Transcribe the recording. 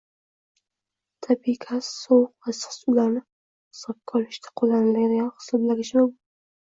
Tabiiy gaz sovuq va issiq suvlarni hisobga olishda qo‘llaniladigan hisoblagichmi bu?